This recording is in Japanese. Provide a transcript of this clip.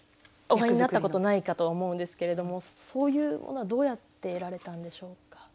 お会いになったことないかと思うんですけれどもそういうものはどうやって得られたんでしょうか？